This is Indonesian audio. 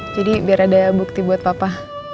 jadi biar ada bukti buat papa